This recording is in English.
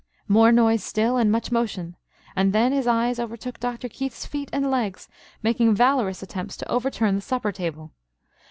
More noise still and much motion. And then his eyes overtook Dr. Keith's feet and legs making valorous attempts to overturn the supper table.